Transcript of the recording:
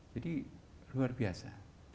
jadi luar biasa